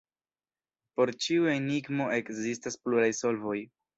Por ĉiu enigmo ekzistas pluraj solvoj.